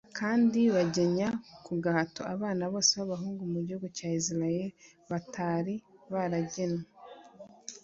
kandi bagenya ku gahato abana bose bo mu gihugu cya israheli, batari baragenywe